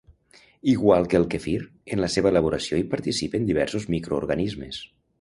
Igual que el quefir, en la seva elaboració hi participen diversos microorganismes.